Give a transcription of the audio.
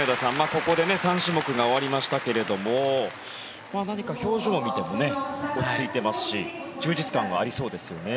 ここで３種目が終わりましたが何か表情を見ても落ち着いていますし充実感がありそうですよね。